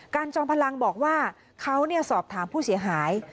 จอมพลังบอกว่าเขาสอบถามผู้เสียหาย